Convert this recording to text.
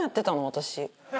私。